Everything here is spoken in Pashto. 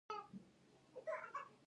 دوی ممپلی او بادام صادروي.